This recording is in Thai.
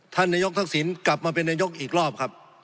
ท่านนายกฏศิลป์กลับมาเป็นนายกฏศิลป์อีกรอบครับ